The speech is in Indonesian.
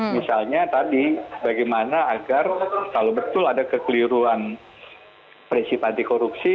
misalnya tadi bagaimana agar kalau betul ada kekeliruan prinsip anti korupsi